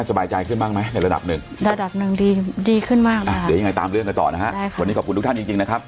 สบายใจขึ้นบ้างไหมระดับหนึ่งระดับหนึ่งดีดีขึ้นมากตามเรื่องกันต่อนะฮะวันนี้ขอบคุณทุกท่านจริงนะครับ